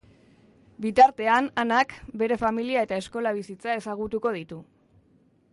Bitartean, Anak, bere familia eta eskola bizitza ezagutuko ditu.